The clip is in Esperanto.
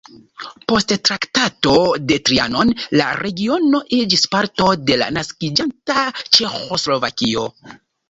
Post Traktato de Trianon la regiono iĝis parto de la naskiĝanta Ĉeĥoslovakio.